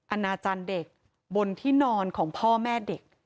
อนาจารย์เด็กบนที่นอนของพ่อแม่เด็ก